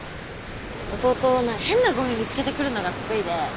弟変なゴミ見つけてくるのが得意で。